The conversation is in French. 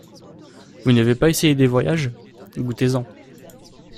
Vous n'avez pas essayé des voyages : goûtez-en.